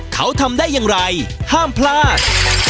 เขาทำได้อย่างไรห้ามพลาด